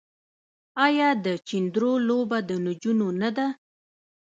آیا د چيندرو لوبه د نجونو نه ده؟